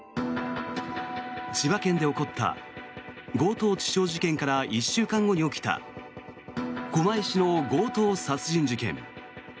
千葉県で起こった強盗致傷事件から１週間後に起きた狛江市の強盗殺人事件。